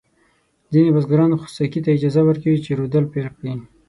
ځینې بزګران خوسکي ته اجازه ورکوي چې رودل پيل کړي.